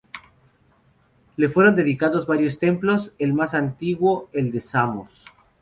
Le fueron dedicados varios templos, el más antiguo el de Samos.